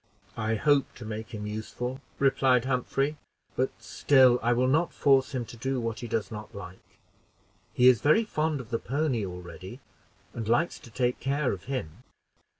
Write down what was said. "I hope to make him useful," replied Humphrey; "but still I will not force him to do what he does not like. He is very fond of the pony already, and likes to take care of him."